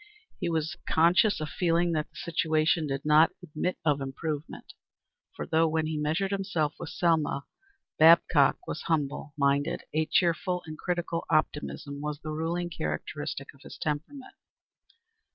He was conscious of feeling that the situation did not admit of improvement, for though, when he measured himself with Selma, Babcock was humble minded, a cheerful and uncritical optimism was the ruling characteristic of his temperament.